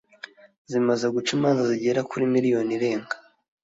zimaze guca imanza zigera kuri miliyoni irenga